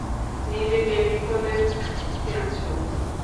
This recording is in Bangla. নিজেকে বিপদে ফেলেছ।